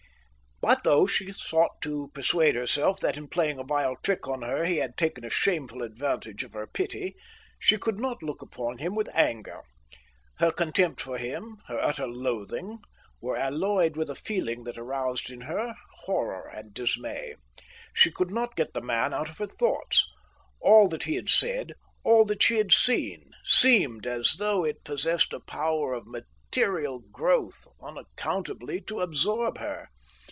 But though she sought to persuade herself that, in playing a vile trick on her, he had taken a shameful advantage of her pity, she could not look upon him with anger. Her contempt for him, her utter loathing, were alloyed with a feeling that aroused in her horror and dismay. She could not get the man out of her thoughts. All that he had said, all that she had seen, seemed, as though it possessed a power of material growth, unaccountably to absorb her.